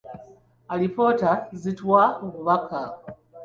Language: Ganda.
Alipoota zituwa obubaka.